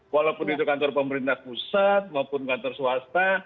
walaupun itu kantor pemerintah pusat maupun kantor swasta